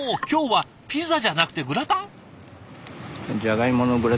今日はピザじゃなくてグラタン？